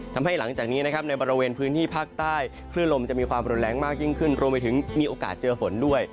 หลังจากนี้นะครับในบริเวณพื้นที่ภาคใต้คลื่นลมจะมีความรุนแรงมากยิ่งขึ้นรวมไปถึงมีโอกาสเจอฝนด้วย